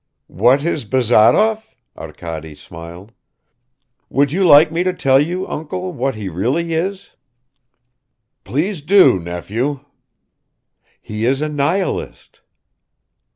"What is Bazarov?" Arkady smiled. "Would you like me to tell you, uncle, what he really is?" "Please do, nephew." "He is a nihilist!"